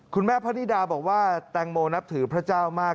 พระนิดาบอกว่าแตงโมนับถือพระเจ้ามาก